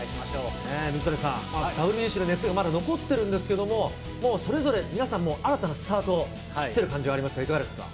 水谷さん、ＷＢＣの熱がまだ残ってるんですけども、もうそれぞれ皆さん、新たなスタートを切ってる感じがありますが、いかがですか。